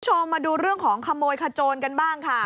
คุณผู้ชมมาดูเรื่องของขโมยขโจรกันบ้างค่ะ